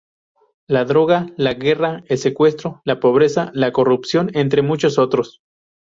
La droga, la guerra, el secuestro, la pobreza, la corrupción, entre muchos otros.